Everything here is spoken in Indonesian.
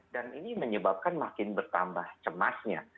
dan ini menyebabkan makin bertambah kecemasannya